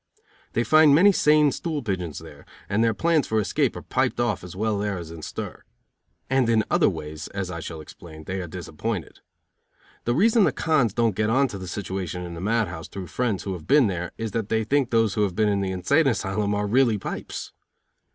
They find many sane stool pigeons there, and their plans for escape are piped off as well there as in stir. And in other ways, as I shall explain, they are disappointed. The reason the "cons" don't get on to the situation in the mad house through friends who have been there is that they think those who have been in the insane asylum are really pipes.